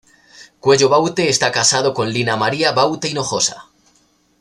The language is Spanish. Cuello Baute está casado con Lina María Baute Hinojosa.